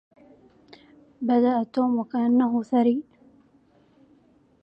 بدا توم وكأنه ثري.